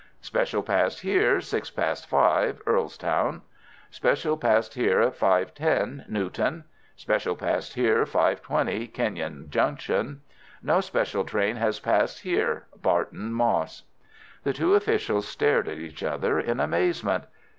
"Special passed here six past five.—Earlestown." "Special passed here 5.10.—Newton." "Special passed here 5.20.—Kenyon Junction." "No special train has passed here.—Barton Moss." The two officials stared at each other in amazement.